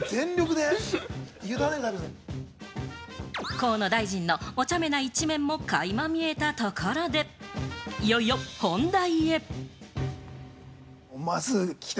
河野大臣のおちゃめな一面も垣間見えたところで、いよいよ本題へ。